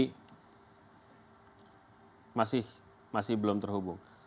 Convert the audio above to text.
masih masih belum terhubung